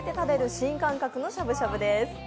新感覚のしゃぶしゃぶです。